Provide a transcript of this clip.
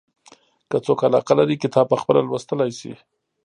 که څوک علاقه لري کتاب پخپله لوستلای شي.